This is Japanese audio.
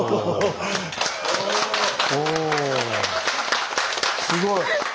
おすごい。